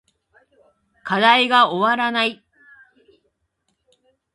課題が終わらない